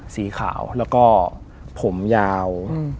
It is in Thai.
สีขาวแล้วก็ผมยาว